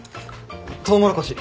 トウモロコシ。